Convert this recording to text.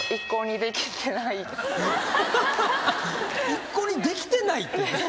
一向にできてないって。